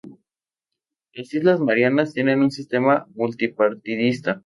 Las Islas Marianas tienen un sistema multipartidista.